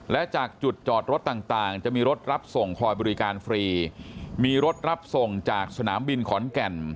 และจากจุดจอดรถต่างต่างจะมีรถรับส่งคอยบริการฟรีมีรถรับส่งจากสนามบินขอนแก่น